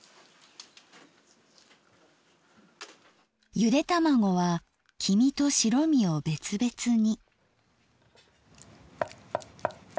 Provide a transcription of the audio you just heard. ゆで卵は黄身と白身を別々に。